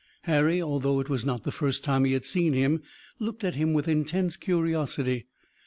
Harry, although it was not the first time he had seen him, looked at him with intense curiosity.